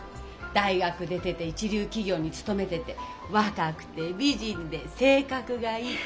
大学出てて一流企業に勤めてて若くて美人で性格がいい。